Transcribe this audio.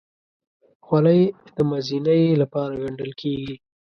خولۍ د مزینۍ لپاره ګنډل کېږي.